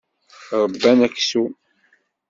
Ṛebban aksum.